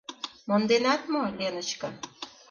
— Монденат мо, Леночка?